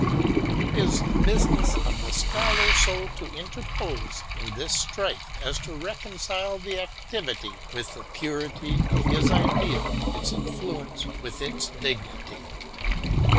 It is the business of the Scholar so to interpose in this strife as to reconcile the activity with the purity of his Idea, its influence with its dignity.